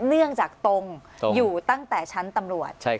เนื่องจากตรงอยู่ตั้งแต่ชั้นตำรวจ